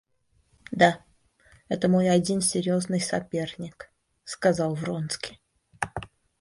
Да, это мой один серьезный соперник, — сказал Вронский.